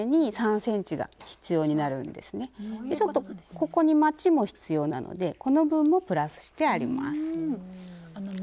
ここにまちも必要なのでこの分もプラスしてあります。